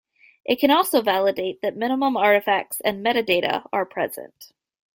It can also validate that minimum artifacts and metadata are present.